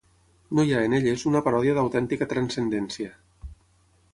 No hi ha, en elles, una paròdia d'autèntica transcendència.